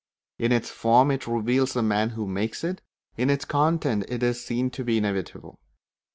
In its form it reveals the man who makes it; in its content it is seen to be inevitable.